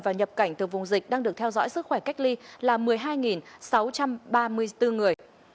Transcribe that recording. và nhập cảnh từ vùng dịch đang được theo dõi sức khỏe cách ly là một mươi hai sáu trăm ba mươi bốn người